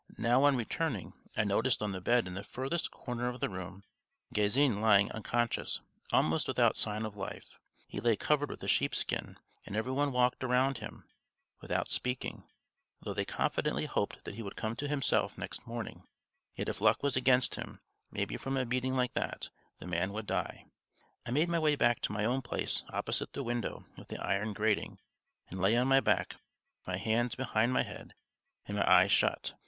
Now on returning I noticed on the bed in the furthest corner of the room Gazin lying unconscious, almost without sign of life. He lay covered with a sheepskin, and every one walked round him, without speaking; though they confidently hoped that he would come to himself next morning, yet if luck was against him, maybe from a beating like that, the man would die. I made my way to my own place opposite the window with the iron grating, and lay on my back with my hands behind my head and my eyes shut.